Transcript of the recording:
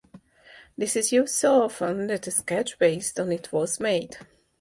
This is used so often, that a sketch based on it was made.